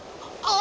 あ！